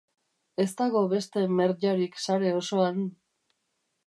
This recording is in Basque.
Ez dago beste Merdjarik sare osoan...